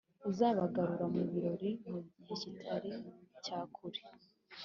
uzabagarura mubirori mugihe kitaricyakure